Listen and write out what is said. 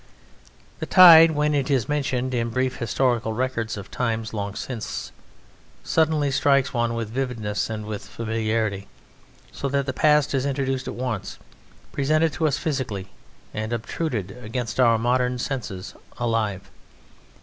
The tide, when it is mentioned in brief historical records of times long since, suddenly strikes one with vividness and with familiarity, so that the past is introduced at once, presented to us physically, and obtruded against our modern senses alive.